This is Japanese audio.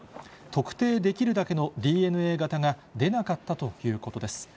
特定できるだけのＤＮＡ型が出なかったということです。